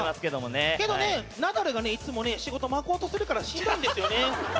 けどねナダルがねいつも仕事巻こうとするからしんどいんですよね。